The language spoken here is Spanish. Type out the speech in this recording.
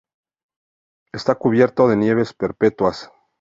Está cubierto de nieves perpetuas.